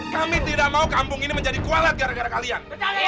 kami tidak mau kampung ini menjadi kualat gara gara kalian